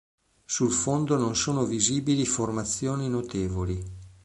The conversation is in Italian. Sul fondo non sono visibili formazioni notevoli.